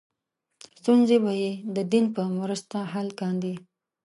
ستونزې به یې د دین په مرسته حل کاندې.